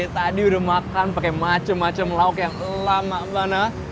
tadi udah makan pakai macam macam lauk yang lama banget